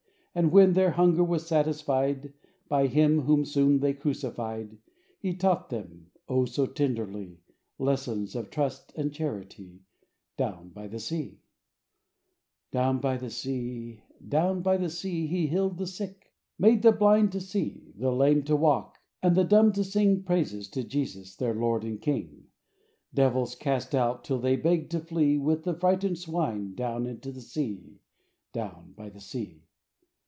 And when their hunger was satisfied By Him whom soon they crucified. He taught them — oh! so tenderly— Lessons of trust and charity, Down by the sea, Down by the sea, down by the sea. He healed the sick; made the blind to see; The lame to walk; and the dumb to sing Praises to Jesus — their Lord and King. Devils cast out, till they begged to flee. With the frightened swine, down into the sea; Down by the sea.